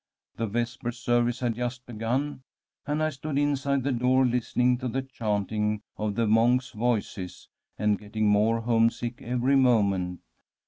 "'The vesper service had just begun, and I stood inside the door listening to the chanting of the monks' voices, and getting more homesick every moment.